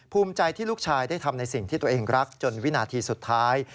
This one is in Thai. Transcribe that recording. ภูมิใจที่ลูกชายได้ทำในสิ่งที่ตัวเองรักจนวินาทีสุดท้าย